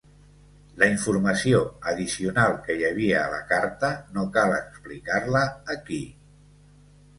La informació addicional que hi havia a la carta no cal explicar-la aquí.